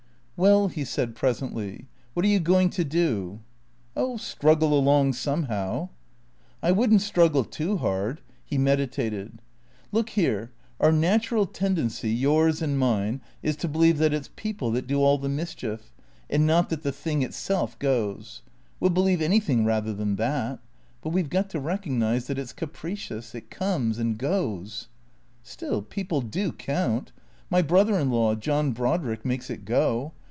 " Well," he said presently, " what are you going to do ?"" Oh — struggle along somehow," " I would n't struggle too hard." He meditated, " Look here, our natural tendency, yours and mine, is to believe that it 's people that do all the mischief, and not that the thing itself goes. We '11 believe anything rather than that. But we 've got to recognize that it 's capricious. It comes and goes." " Still, people do count. My brother in law, John Brodrick, makes it go.